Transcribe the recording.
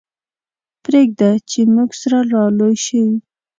پرېږده چې موږ سره را لوی شي.